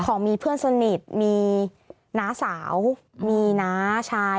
ของมีเพื่อนสนิทมีน้าสาวมีน้าชาย